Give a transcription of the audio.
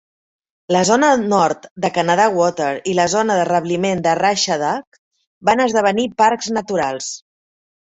La zona nord de Canada Water i la zona de rebliment de Russia Dock van esdevenir parcs naturals.